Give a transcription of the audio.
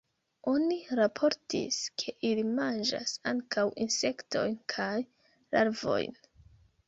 Oni raportis, ke ili manĝas ankaŭ insektojn kaj larvojn.